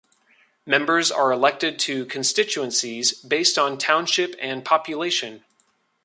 Members are elected to constituencies based on township and population.